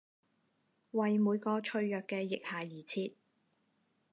為每個脆弱嘅腋下而設！